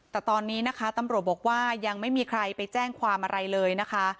แต่ตอนนี้นะคะตำรวจบอกว่ายังไม่มีใครไปแจ้งความอะไรเลยนะคะ